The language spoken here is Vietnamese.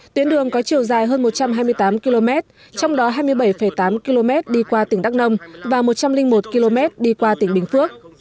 tuyến đường có chiều dài hơn một trăm hai mươi tám km trong đó hai mươi bảy tám km đi qua tỉnh đắk nông và một trăm linh một km đi qua tỉnh bình phước